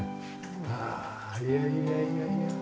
いやいやいやいや。